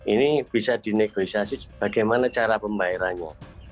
ini bisa dinegosiasi bagaimana cara pembayarannya